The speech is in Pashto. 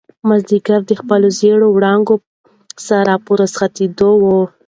مازیګر د خپلو ژېړو وړانګو سره په رخصتېدو و.